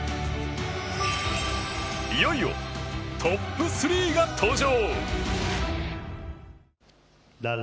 いよいよトップ３が登場！